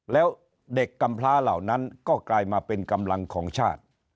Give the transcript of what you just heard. แล้วเด็กกำพลาเหล่านั้นก็กลายมาเป็นกำลังของชาติ